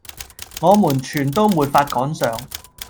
我們全都沒法趕上！